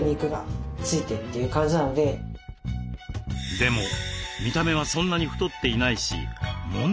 でも見た目はそんなに太っていないし問題ない。